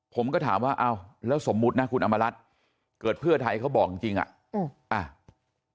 ผมก็ถามว่าอ้าวแล้วสมมุตินะคุณอำมารัฐเกิดเพื่อไทยเขาบอกจริงจริงอ่ะอืมอ่า